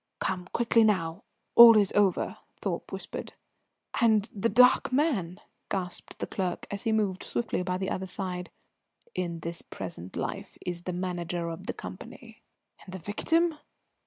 "Come quickly now all is over!" Thorpe whispered. "And the dark man ?" gasped the clerk, as he moved swiftly by the other's side. "In this present life is the Manager of the company." "And the victim?"